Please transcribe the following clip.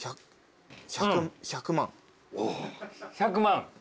１００万。